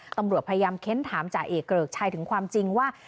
ตำรวจพยายามเค้นถามจ่าเอกเกริกชัยถึงความจริงว่า